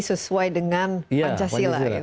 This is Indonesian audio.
sesuai dengan pancasila